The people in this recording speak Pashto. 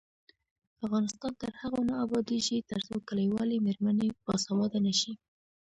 افغانستان تر هغو نه ابادیږي، ترڅو کلیوالې میرمنې باسواده نشي.